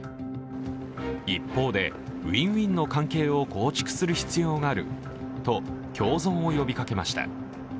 一方でＷｉｎ−Ｗｉｎの関係を構築する必要があると共存を呼びかけました。